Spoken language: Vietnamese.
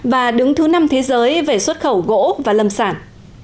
và đứng thứ năm thế giới về xuất khẩu gỗ và lâm sản